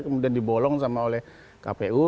kemudian dibolong sama oleh kpu